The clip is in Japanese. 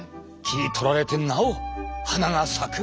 切り取られてなお花が咲く！